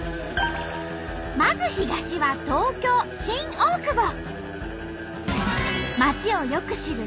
まず東は東京・新大久保。